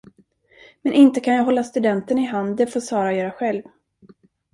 Men inte kan jag hålla studenten i hand, det får Sara göra själv.